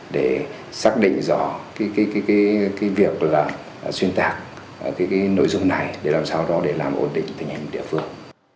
để xác định rõ cái việc là xuyên tạc cái nội dung này để làm sao đó để làm ổn định tình hình địa phương